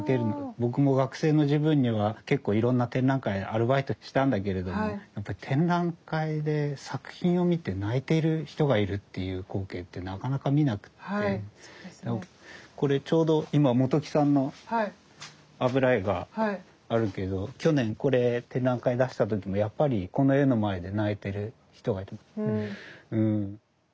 僕も学生の時分には結構いろんな展覧会アルバイトしたんだけれども展覧会で作品を見て泣いている人がいるっていう光景ってなかなか見なくてこれちょうど今本木さんの油絵があるけど去年これ展覧会で出した時もやっぱりこの絵の前で泣いてる人がいて。